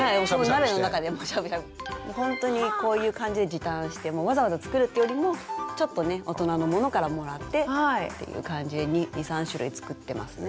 ほんとにこういう感じで時短してわざわざ作るというよりもちょっとね大人のものからもらってという感じで２３種類作ってますね。